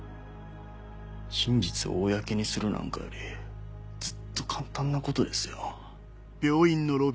真実を公にするなんかよりずっと簡単なことですよ。